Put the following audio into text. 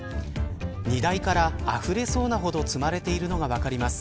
荷台からあふれそうなほど積まれているのが分かります。